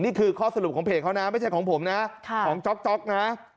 นี่คือข้อสรุปของเพจเขานะไม่ใช่ของผมนะของจ๊อกนะ